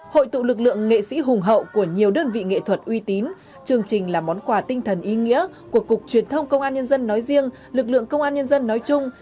hội tụ lực lượng nghệ sĩ hùng hậu của nhiều đơn vị nghệ thuật uy tín chương trình là món quà tinh thần ý nghĩa của cục truyền thông công an nhân dân nói riêng lực lượng công an nhân dân nói chung